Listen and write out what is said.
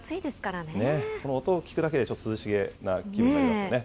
この音を聞くだけで、ちょっと涼しげな気分になりますよね。